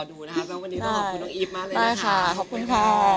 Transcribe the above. หนิค่ะขอเป็นเย้วร๊อด